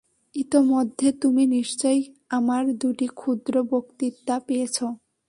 ইতোমধ্যে তুমি নিশ্চয় আমার দুটি ক্ষুদ্র বক্তৃতা পেয়েছ।